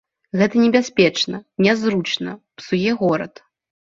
Гэта небяспечна, нязручна, псуе горад.